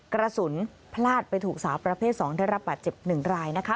กระสุนพลาดไปถูกสาวประเภท๒ได้รับบาดเจ็บ๑รายนะคะ